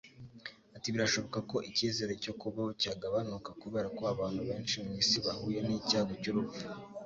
Ati"Birashoboka ko icyizere cyo kubaho cyagabanuka kubera ko abantu benshi mu isi bahuye n'icyago cy'urupfu